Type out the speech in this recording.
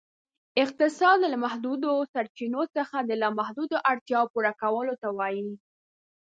اقتصاد ، له محدودو سرچینو څخه د لا محدودو اړتیاوو پوره کولو ته وایي.